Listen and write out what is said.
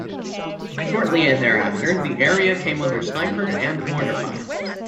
Shortly thereafter, the area came under sniper and mortar fire.